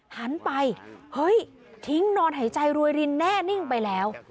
หันไปเฮ้ยทิ้งนอนหายใจรวยรินแน่นิ่งไปแล้ว